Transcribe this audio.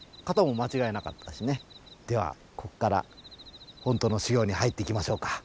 ではここからほんとの修行に入っていきましょうか。